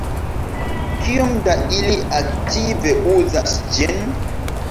Kiom da ili aktive uzas ĝin?